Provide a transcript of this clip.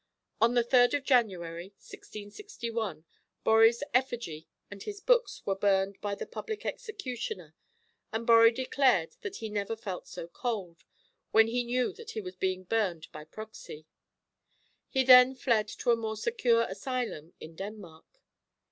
On the 3rd of January, 1661, Borri's effigy and his books were burned by the public executioner, and Borri declared that he never felt so cold, when he knew that he was being burned by proxy. He then fled to a more secure asylum in Denmark.